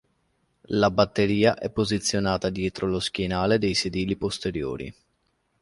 La batteria è posizionata dietro lo schienale dei sedili posteriori.